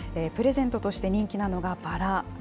プレゼントとして人気なのがバラ。